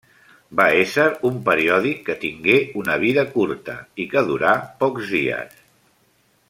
Va ésser un periòdic que tingué una vida curta i que durà pocs dies.